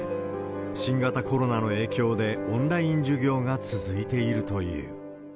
新型コロナの影響でオンライン授業が続いているという。